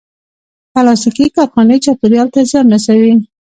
پلاستيکي کارخانې چاپېریال ته زیان رسوي.